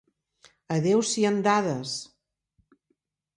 A Déu sien dades!